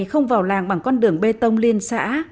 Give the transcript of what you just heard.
không vào làng bằng con đường bê tông liên xã